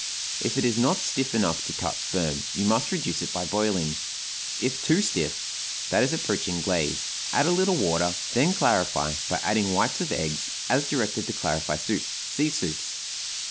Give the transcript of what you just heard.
If it is not stiff enough to cut firm, you must reduce it by boiling; if too stiff, that is approaching glaze, add a little water, then clarify by adding whites of eggs, as directed to clarify soup (see soups).